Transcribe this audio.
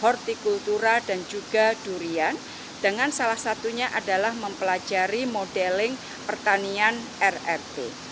hortikultura dan juga durian dengan salah satunya adalah mempelajari modeling pertanian rrt